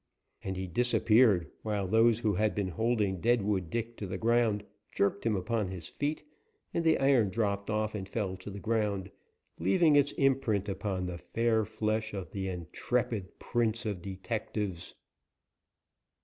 And he disappeared, while those who had been holding Deadwood Dick to the ground jerked him upon his feet, and the iron dropped off and fell to the ground, leaving its imprint upon the fair flesh of the intrepid prince of detectives!